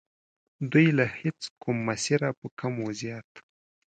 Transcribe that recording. دوی له هیچ کوم مسیره په کم و زیات.